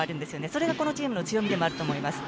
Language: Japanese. それがこのチームの強みでもあると思います。